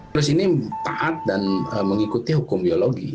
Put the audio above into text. plus ini taat dan mengikuti hukum biologi